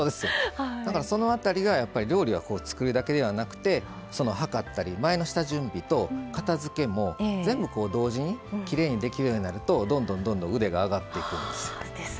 その辺りが料理は計るだけではなくて計ったり、前の下準備と片付けも全部、きれいに同時にできるようになるとどんどん腕が上がっていくんです。